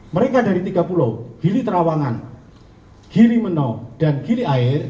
mereka dari tiga puluh gili trawangan gili benop dan gili air